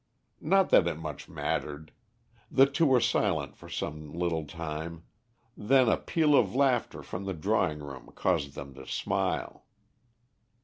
Not that it much mattered. The two were silent for some little time, then a peal of laughter from the drawing room caused them to smile.